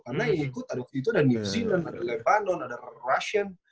karena yang ikut aduh itu ada new zealand ada lebanon ada russian